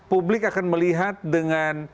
publik akan melihat dengan